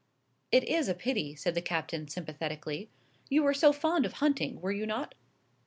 "It is a pity," said the Captain sympathetically. "You were so fond of hunting, were you not?"